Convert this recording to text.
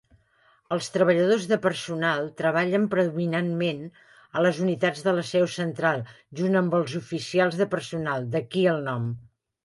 Els treballadors de personal treballen predominantment a les unitats de la seu central junt amb els oficials de personal, d'aquí el nom.